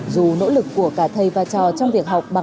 dù nỗ lực của cả thầy và trò trong việc học